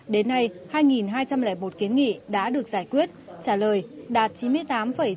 đến nay hai hai trăm linh một kiến nghị đã được giải quyết trả lời đạt chín mươi tám sáu mươi